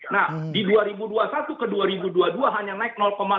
nah di dua ribu dua puluh satu ke dua ribu dua puluh dua hanya naik